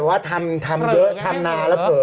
โอเคโอเคโอเค